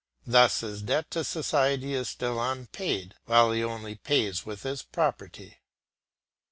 Thus his debt to society is still unpaid, while he only pays with his property.